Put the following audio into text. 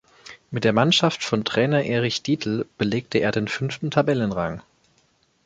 Mit der Mannschaft von Trainer Erich Dietel belegte er den fünften Tabellenrang.